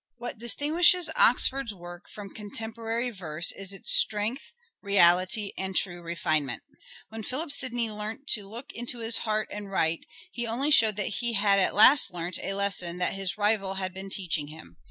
What distinguishes Oxford's work from contemporary verse is its strength, reality, and true refinement. When Philip Sidney learnt to " look into his heart and write," he only showed that he had at last learnt a lesson that his rival had been teaching him.